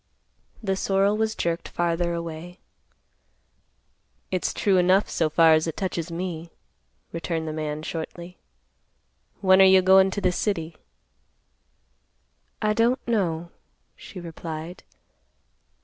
The sorrel was jerked farther away. "It's true enough, so far as it touches me," returned the man shortly. "When are you goin' to the city?" "I don't know," she replied.